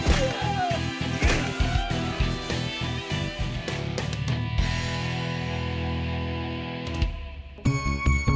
terima kasih pemba avec kyle gouw kai